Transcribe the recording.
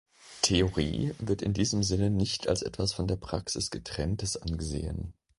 Theorie wird in diesem Sinne nicht als etwas von der Praxis Getrenntes angesehen.